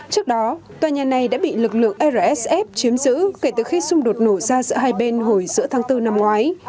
trước đó tòa nhà này đã bị lực lượng rsf chiếm giữ kể từ khi xung đột nổ ra giữa hai bên hồi giữa tháng bốn năm ngoái